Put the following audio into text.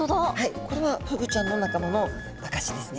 これはフグちゃんの仲間の証しですね。